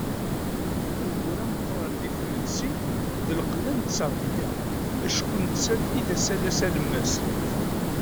Ugur ameqqran di tmetti d lqella n tterbiya, acku d nettat i d asalas alemmas.